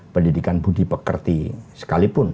pendidikan budi pekerti sekalipun